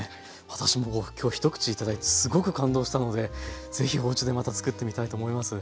私も今日一口頂いてすごく感動したのでぜひおうちでまた作ってみたいと思います。